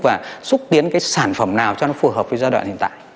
và xúc tiến cái sản phẩm nào cho nó phù hợp với giai đoạn hiện tại